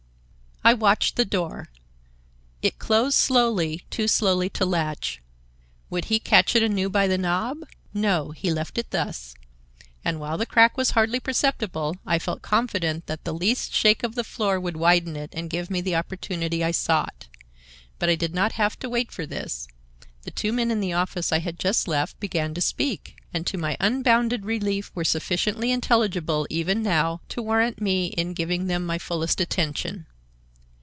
I watched the door. It closed slowly, too slowly to latch. Would he catch it anew by the knob? No; he left it thus, and, while the crack was hardly perceptible, I felt confident that the least shake of the floor would widen it and give me the opportunity I sought. But I did not have to wait for this. The two men in the office I had just left began to speak, and to my unbounded relief were sufficiently intelligible, even now, to warrant me in giving them my fullest attention.